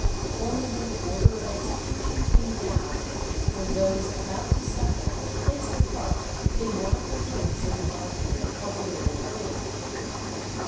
Only when the order of execution came down were those about to suffer placed apart in one of the rooms in the arcade of the middle ward.